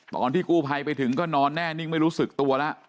ตอนที่กู้ภัยไปถึงก็นอนแน่นิ่งไม่รู้สึกตัวแล้ว